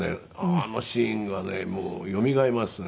あのシーンがねよみがえりますね。